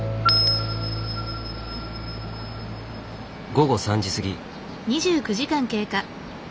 午後３時過ぎ。